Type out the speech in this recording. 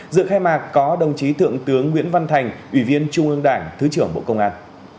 dự khai mạc có đồng chí thượng tướng nguyễn văn thành ủy viên trung ương đảng thứ trưởng bộ công an